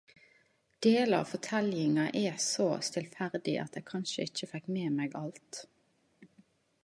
Delar av forteljinga er så stillferdig at eg kanskje ikkje fekk med meg alt.